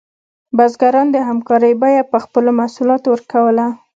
بزګران د همکارۍ بیه په خپلو محصولاتو ورکوله.